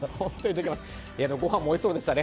ごはんもおいしそうでしたね。